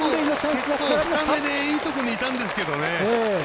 結構いいとこにいたんですけどね。